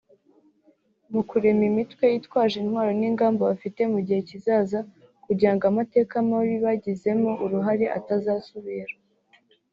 mu kurema imitwe yitwaje intwaro n’ingamba bafite mu gihe kizaza kugira ngo amateka mabi bagizemo uruhare atazasubira